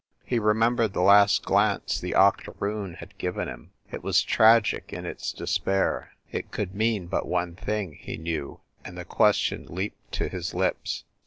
He re membered the last glance the octoroon had given him it was tragic in its despair. It could mean but one thing, he knew, and the question leaped to his lips.